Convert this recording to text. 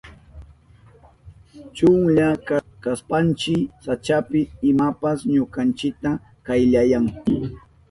Chunlla kashpanchi sachapi imapas ñukanchita kayllayan.